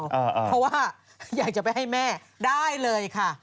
เพราะว่าอยากจะไปให้แม่ได้เลยค่ะ